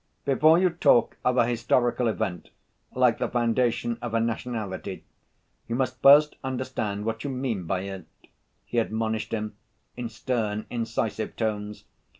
"Before you talk of a historical event like the foundation of a nationality, you must first understand what you mean by it," he admonished him in stern, incisive tones.